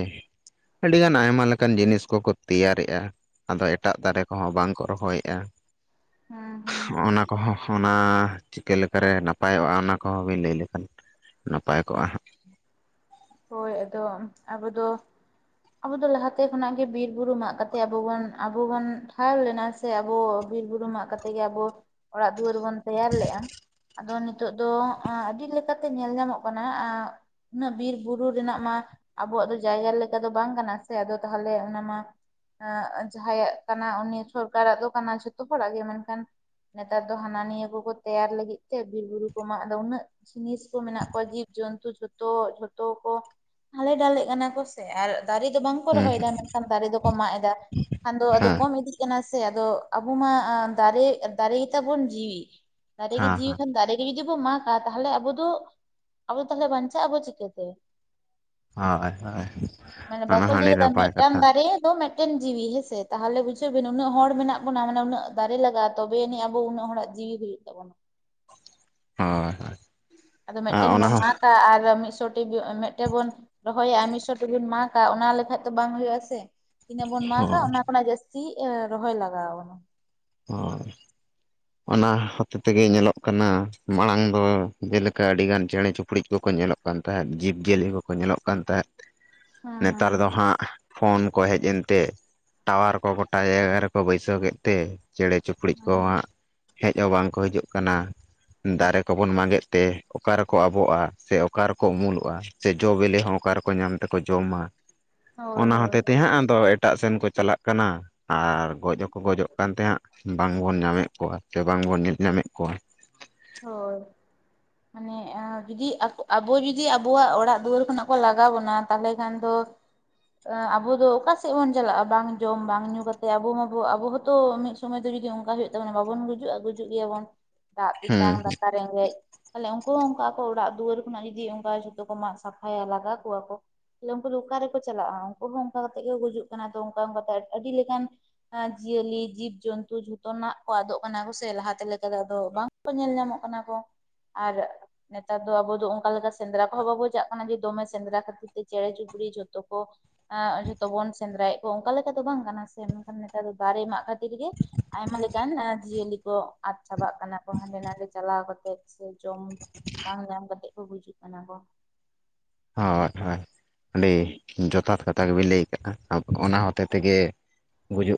ᱟᱹᱰᱤ ᱜᱟᱱ ᱟᱭᱢᱟ ᱞᱮᱠᱟᱱ ᱡᱤᱱᱤᱥ ᱠᱚᱠᱚ ᱛᱮᱭᱟᱨᱮᱜᱼᱟ ᱟᱫᱚ ᱮᱴᱟᱜ ᱫᱟᱨᱮ ᱠᱚᱦᱚᱸ ᱵᱟᱝ ᱠᱚ ᱨᱚᱦᱚᱭ ᱭᱟ ᱦᱮᱸ ᱦᱮᱸ ᱚᱱᱟ ᱠᱚᱦᱚᱸ ᱚᱱᱟ ᱪᱤᱠᱟᱹ ᱞᱮᱠᱟᱨᱮ ᱱᱟᱯᱟᱭᱚᱜᱼᱟ ᱚᱱᱟ ᱠᱚᱦᱚᱸᱵᱤᱱ ᱞᱟᱹᱭ ᱞᱮᱠᱷᱟᱱ ᱱᱟᱯᱟᱭ ᱠᱚᱜᱼᱟ ᱦᱟᱸᱜ᱾ ᱦᱳᱭ ᱟᱫᱚ ᱟᱵᱚ ᱫᱚ ᱟᱵᱚ ᱫᱚ ᱞᱟᱦᱟᱛᱮ ᱠᱷᱚᱱᱟᱜ ᱜᱮ ᱵᱤᱨ ᱵᱩᱨᱩ ᱢᱟᱜ ᱠᱟᱛᱮ ᱟᱵᱚ ᱵᱚᱱ ᱟᱵᱚ ᱵᱚᱱ ᱴᱷᱟᱣ ᱞᱮᱱᱟ᱾ ᱥᱮ ᱟᱵᱚ ᱵᱤᱨ ᱵᱩᱨᱩ ᱢᱟᱜ ᱠᱟᱛᱮ ᱜᱮ ᱟᱵᱚ ᱚᱲᱟᱜ ᱫᱩᱣᱟᱹᱨ ᱵᱚᱱ ᱛᱮᱭᱟᱨ ᱞᱮᱜᱼᱟ ᱟᱫᱚ ᱱᱤᱛᱚᱜ ᱫᱚ ᱮᱸ ᱟᱹᱰᱤ ᱞᱮᱠᱟᱛᱮ ᱧᱮᱞ ᱧᱟᱢᱚᱜ ᱠᱟᱱᱟ ᱮᱸ ᱩᱱᱟᱹᱜ ᱵᱤᱨ ᱵᱩᱨᱩ ᱨᱮᱱᱟᱜ ᱢᱟ ᱟᱵᱚᱣᱟᱜ ᱫᱚ ᱡᱟᱭᱜᱟ ᱞᱮᱠᱟ ᱫᱚ ᱵᱟᱝ ᱠᱟᱱᱟ ᱥᱮ ᱟᱫᱚ ᱛᱟᱦᱞᱮ ᱚᱱᱟ ᱢᱟ ᱮ ᱡᱟᱦᱟᱸᱭᱟᱜ ᱠᱟᱱᱟ, ᱩᱱᱤ ᱥᱚᱨᱠᱟᱨᱟᱜ ᱫᱚ ᱠᱟᱱᱟ ᱡᱷᱚᱛᱚ ᱦᱚᱲᱟᱜ ᱜᱮ ᱢᱮᱱᱠᱷᱟᱱ ᱱᱮᱛᱟᱨ ᱫᱚ ᱦᱟᱱᱟ ᱱᱤᱭᱟᱹ ᱠᱚᱠᱚ ᱛᱮᱭᱟᱨ ᱞᱟᱹᱜᱤᱫ ᱛᱮ, ᱵᱤᱨ ᱵᱩᱨᱩ ᱠᱚ ᱢᱟᱜ ᱟᱫᱚ ᱩᱱᱟᱹᱜ ᱾ ᱡᱤᱱᱤᱥ ᱠᱚ ᱢᱮᱱᱟᱜ ᱠᱚᱣᱟ ᱡᱤᱵᱡᱚᱱᱛᱩ ᱡᱷᱚᱛᱚ ᱡᱚ ᱛᱚ ᱠᱚ ᱦᱟᱞᱮ ᱰᱟᱞᱮᱜ ᱠᱟᱱᱟ ᱠᱚ ᱥᱮ ᱟᱨ ᱫᱟᱨᱮ ᱫᱚ ᱵᱟᱝ ᱠᱚ ᱨᱚᱦᱚᱭ ᱫᱟ ᱢᱮᱱᱠᱷᱟᱱ ᱫᱟᱨᱮ ᱫᱚᱠᱚ ᱢᱟᱜ ᱮᱫᱟ ᱠᱷᱟᱱ ᱫᱚ ᱟᱫᱚ ᱦᱮᱸ ᱠᱚᱢ ᱤᱫᱤ ᱥᱮ ᱟᱫᱚ ᱟᱵᱚ ᱢᱟ ᱫᱟᱨᱮ ᱫᱟᱨᱮ ᱜᱮᱛᱟᱵᱚᱱ ᱡᱤᱣᱤ ᱫᱟᱨᱮ ᱜᱮ ᱦᱮᱸ ᱡᱤᱣᱤ ᱦᱮᱸ ᱠᱷᱟᱱ ᱫᱟᱨᱮ ᱡᱩᱫᱤ ᱵᱚ ᱢᱟᱜᱟ ᱛᱟᱦᱚᱞᱮ ᱟᱵᱚ ᱫᱚ ᱟᱵᱚ ᱫᱚ ᱛᱟᱦᱚᱞᱮ ᱵᱟᱧᱪᱟᱜᱼᱟᱵᱚ ᱪᱤᱠᱟᱹᱛᱮ ᱦᱳᱭ ᱦᱳᱭ ᱢᱟᱱᱮ ᱚᱱᱟ ᱵᱟᱠᱚ ᱦᱚᱸ ᱞᱤᱫᱟᱹᱭᱤ ᱟᱹᱰᱤ ᱠᱮᱫᱟ ᱱᱟᱯᱟᱭ ᱢᱤᱫᱴᱟᱝ ᱠᱟᱛᱷᱟ ᱫᱟᱨᱮ ᱫᱟᱝ ᱢᱤᱫᱴᱮᱱ ᱡᱤᱣᱤ ᱦᱮᱸᱥᱮ ᱛᱟᱦᱚᱞᱮ ᱵᱩᱡᱷᱟᱹᱜ ᱵᱤᱱ ᱩᱱᱟᱹᱜ ᱦᱚᱲ ᱢᱮᱱᱟᱜ ᱵᱚ ᱢᱟᱱᱮ ᱩᱱᱟᱹᱜ ᱫᱟᱨᱮ ᱞᱟᱜᱟᱜᱼᱟ ᱛᱚᱵᱮ ᱟᱹᱱᱤᱡ ᱟᱵᱚ ᱩᱱᱟᱹᱜ ᱦᱚᱲᱟᱜ ᱡᱤᱣᱤ ᱦᱩᱭᱩᱜ ᱛᱟᱵᱚᱱᱟ ᱦᱳᱭ ᱦᱳᱭ ᱟᱫᱚ ᱢᱤᱫᱴᱮᱱ ᱵᱚᱢ ᱢᱟᱜᱟ ᱟᱨ ᱢᱤᱫ ᱥᱚ ᱢᱤᱫᱴᱮ ᱵᱚᱱ ᱨᱚᱦᱚᱭᱟ ᱢᱤᱫ ᱥᱚ ᱴᱤᱵᱚᱱ ᱢᱟᱜ-ᱟ ᱚᱱᱟ ᱞᱮᱠᱷᱟᱡ ᱫᱚ ᱵᱟᱝ ᱦᱩᱭᱩᱜ ᱟᱥᱮ ᱾ ᱛᱤᱱᱟᱹᱜ ᱵᱚᱱ ᱢᱟᱜᱟ, ᱦᱳᱭ ᱚᱱᱟ ᱠᱷᱚᱱᱟᱜ ᱡᱟᱹᱥᱛᱤ ᱨᱚᱦᱚᱭ ᱞᱟᱜᱟᱣ ᱟᱵᱚᱱᱟ ᱾ ᱦᱳᱭ ᱚᱱᱟ ᱦᱚᱛᱮ ᱛᱮᱜᱮ ᱧᱮᱞᱚᱜ ᱠᱟᱱᱟ ᱾ᱢᱟᱲᱟᱝ ᱫᱚ ᱡᱮᱞᱮᱠᱟ ᱟᱹᱰᱤᱜᱟᱱ ᱪᱮᱸᱬᱮ ᱪᱩᱯᱲᱩ ᱠᱚᱠᱚ ᱧᱮᱞᱚᱜ ᱠᱟᱱ ᱛᱟᱦᱮᱸᱫ ᱡᱤᱵᱽᱼᱡᱤᱭᱟᱹᱞᱤ ᱠᱚᱠᱚ ᱧᱮᱞᱚᱜ ᱠᱟᱱ ᱛᱟᱦᱮᱸᱫ ᱦᱮᱸ ᱦᱮᱸ ᱱᱮᱛᱟᱨ ᱫᱚ ᱦᱟᱸᱜ ᱯᱷᱳᱱ ᱠᱚ ᱦᱮᱡ ᱮᱱ ᱛᱮ ᱴᱟᱣᱟᱨ ᱠᱚ ᱜᱚᱴᱟ ᱡᱟᱭᱜᱟ ᱨᱮᱠᱚ ᱵᱟᱹᱭᱥᱟᱹᱣ ᱠᱮᱫ ᱛᱮ ᱪᱮᱬᱮ ᱪᱚᱯᱩ ᱠᱩᱲᱤᱡ ᱠᱚ ᱦᱮᱸ ᱦᱟᱸᱜ ᱦᱮᱡ ᱦᱚᱸ ᱵᱟᱝ ᱠᱚ ᱦᱤᱡᱩᱜ ᱠᱟᱱᱟ ᱫᱟᱨᱮ ᱠᱚᱵᱚᱱ ᱢᱟᱸᱜᱮᱫ ᱛᱮ ᱚᱠᱟ ᱨᱮᱠᱚ ᱟᱵᱚᱜᱼᱟ ᱥᱮ ᱚᱠᱟ ᱨᱮᱠᱚ ᱩᱢᱩᱞᱚᱜᱼᱟ᱾ ᱥᱮ ᱡᱚᱼ ᱵᱤᱞᱤ ᱦᱚᱸ ᱚᱠᱟ ᱨᱮᱠᱚ ᱧᱟᱢ ᱛᱮᱠᱚ ᱡᱚᱢᱟ ᱦᱳᱭ ᱚᱱᱟ ᱦᱳᱭ ᱦᱚᱛᱮ ᱛᱮ ᱦᱟᱸᱜ ᱟᱫᱚ ᱮᱴᱟᱜ ᱥᱮᱱ ᱠᱚ ᱪᱟᱞᱟᱜ ᱠᱟᱱᱟ ᱾ ᱟᱨ ᱜᱚᱡ ᱦᱚᱸᱠᱚ ᱜᱚᱡᱚᱜ ᱠᱟᱱ ᱛᱟᱦᱮᱸ ᱦᱟᱸᱜ᱾ ᱵᱟᱝᱵᱚᱱ ᱧᱟᱢᱮᱫ ᱠᱚᱣᱟ ᱥᱮ ᱵᱟᱝᱵᱚᱱ ᱧᱮᱞ ᱧᱟᱢᱮᱫ ᱠᱚᱣᱟ ᱦᱳᱭ ᱢᱟᱱᱮ ᱦᱮᱸ ᱡᱩᱫᱤ ᱟᱵᱚ ᱡᱩᱫᱤ ᱟᱵᱚᱣᱟᱜ ᱚᱲᱟᱜ ᱫᱩᱣᱟᱹᱨ ᱠᱷᱚᱱᱟᱜ ᱠᱚ ᱞᱟᱜᱟᱣ ᱵᱚᱱᱟ ᱛᱟᱦᱚᱞᱮ ᱠᱷᱟᱱ ᱫᱚ ᱟᱵᱚ ᱫᱚ ᱚᱠᱟ ᱥᱮᱫ ᱵᱚᱱ ᱪᱟᱞᱟᱜᱼᱟ ᱵᱟᱝ ᱡᱚᱢ ᱵᱟᱝ ᱧᱩ ᱠᱟᱛᱮ ᱟᱵᱚ ᱢᱟᱵᱚ ᱟᱵᱚ ᱦᱚᱸᱛᱚ ᱥᱚᱢᱚᱭ ᱫᱚ ᱡᱩᱫᱤ ᱚᱱᱠᱟ ᱦᱩᱭᱩᱜ ᱛᱟᱵᱱᱟ ᱵᱟᱵᱚᱱ ᱜᱩᱡᱩᱜᱼᱜᱩᱡ ᱜᱮᱭᱟᱵᱚᱱ [inaudible] ᱫᱟᱜ ᱫᱟᱠᱟ ᱨᱮᱸᱜᱮᱡ ᱛᱟᱦᱮᱞ ᱟᱠᱚ ᱚᱱᱠᱟ ᱟᱠᱚ ᱚᱲᱟᱜ ᱫᱩᱣᱟᱹᱨ ᱠᱷᱚᱱᱟᱜ ᱡᱩᱫᱤ ᱚᱱᱠᱟ ᱡᱷᱚᱛᱚ ᱠᱚ ᱢᱟᱜ ᱥᱟᱯᱷᱟᱭᱟ ᱞᱟᱜᱟ ᱠᱚᱣᱟ ᱠᱚ ᱛᱟᱦᱚᱞᱮ ᱩᱝᱠᱩ ᱫᱚ ᱚᱠᱟᱮᱠᱚ ᱪᱟᱞᱟᱜᱼᱟ, ᱩᱱᱠᱩ ᱦᱚᱸ ᱚᱱᱠᱟ ᱠᱟᱛᱮ ᱜᱮ ᱜᱩᱡᱩᱜ ᱠᱟᱱᱟ ᱛᱚ ᱚᱱᱠᱟ ᱚᱱᱠᱟᱛᱮ ᱟᱹᱰᱤ ᱞᱮᱠᱟᱱ ᱡᱤᱭᱟᱹᱞᱤ ᱡᱤᱵ ᱡᱚᱱᱛᱩ ᱡᱷᱚᱛᱚᱱᱟᱜ ᱠᱚ ᱟᱫᱚᱜ ᱠᱟᱱᱟ ᱠᱚ ᱥᱮ ᱞᱟᱦᱟᱛᱮ ᱞᱮᱠᱟ ᱟᱫᱚ ᱵᱟᱝ ᱧᱮᱞ ᱧᱟᱢᱚᱜ ᱠᱟᱱᱟ ᱠᱚ ᱟᱨ ᱱᱮᱛᱟᱨ ᱫᱚ ᱟᱵᱚ ᱫᱚ ᱚᱱᱠᱟ ᱞᱮᱠᱟ ᱥᱮᱸᱫᱽᱨᱟ ᱠᱚᱦᱚᱸ ᱵᱟᱵᱚ ᱪᱟᱜ ᱠᱟᱱᱟ ᱡᱮ ᱫᱚᱢᱮ ᱥᱮᱸᱫᱽᱨᱟ ᱠᱷᱟᱹᱛᱤᱨ ᱛᱮ ᱪᱮᱬᱮ ᱪᱩᱯᱲᱤ ᱡᱷᱚᱛᱚ ᱠᱚ ᱡᱷᱚᱛᱚ ᱵᱚᱱ ᱥᱮᱸᱫᱽᱨᱟᱭᱮᱫ ᱠᱚᱣᱟ ᱚᱱᱠᱟ ᱞᱮᱠᱟ ᱫᱚ ᱵᱟᱝ ᱠᱟᱱᱟ ᱥᱮ, ᱢᱮᱱᱠᱷᱟᱱ ᱱᱮᱛᱟᱨ ᱫᱚ ᱫᱟᱨᱮ ᱢᱟᱜ ᱠᱷᱟᱹᱛ ᱠᱷᱟᱹᱛᱤᱨ ᱜᱮ ᱟᱭᱢᱟ ᱞᱮᱠᱟᱱ ᱡᱤᱭᱟᱹᱞᱤ ᱠᱚ ᱟᱫ ᱪᱟᱵᱟᱜ ᱠᱟᱱᱟ ᱠᱚ ᱦᱟᱸᱰᱮ ᱱᱟᱰᱮ ᱪᱟᱞᱟᱣ ᱠᱟᱛᱮᱜ᱾ ᱥᱮ ᱡᱚᱢ, ᱵᱟᱝ ᱧᱟᱢ ᱠᱟᱛᱮ ᱠᱚ ᱜᱩᱡᱩᱜ ᱠᱟᱱᱟ ᱠᱚ᱾ ᱦᱳᱭ ᱦᱳᱭ ᱟᱹᱰᱤ ᱡᱚᱛᱷᱟᱛ ᱠᱟᱛᱷᱟ ᱜᱮᱵᱤᱱ ᱞᱟᱹᱭ ᱟᱠᱟᱫᱼᱟ ᱟ ᱚᱱᱟ ᱦᱚᱛᱮ ᱛᱮᱜᱮ ᱜᱩᱡᱩᱜ